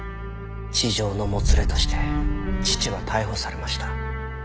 痴情のもつれとして父は逮捕されました。